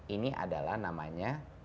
ini adalah namanya